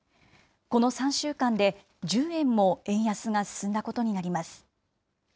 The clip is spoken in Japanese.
この３週間で、１０円も円安が進んだことになります。